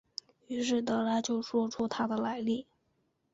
于是德拉就说出他的来历。